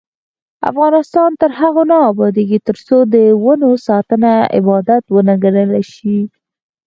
افغانستان تر هغو نه ابادیږي، ترڅو د ونو ساتنه عبادت ونه ګڼل شي.